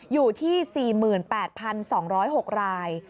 อยู่ที่๔๘๒๐๖ราย